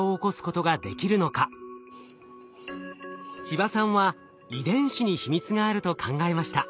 千葉さんは遺伝子に秘密があると考えました。